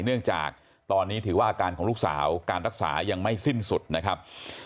เนื่องจากตอนนี้ถือว่าอาการของลูกสาวการรักษายังไม่สิ้นสุดนะครับ